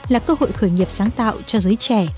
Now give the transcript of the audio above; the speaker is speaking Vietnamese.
là cơ hội khởi nghiệp sáng tạo cho giới trẻ